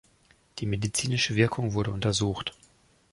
Die medizinische Wirkung wurde untersucht.